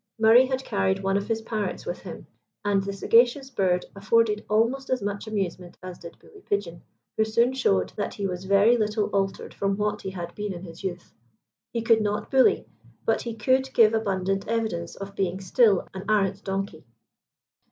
Murray had carried one of his parrots with him, and the sagacious bird afforded almost as much amusement as did Bully Pigeon, who soon showed that he was very little altered from what he had been in his youth. He could not bully, but he could give abundant evidence of being still an arrant donkey.